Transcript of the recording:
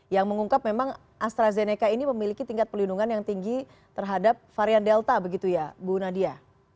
yang mengungkap memang astrazeneca ini memiliki tingkat pelindungan yang tinggi terhadap varian delta begitu ya bu nadia